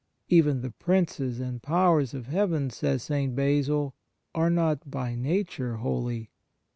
" Even the princes and powers of heaven/ says St. Basil, " are not by nature holy.